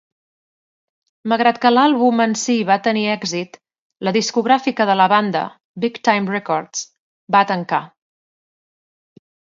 Malgrat que l'àlbum en si va tenir èxit, la discogràfica de la banda, Big Time Records va tancar.